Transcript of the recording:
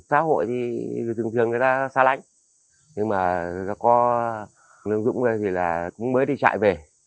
xã hội thì thường thường người ta xa lánh nhưng mà có lương dũng thì là cũng mới đi chạy về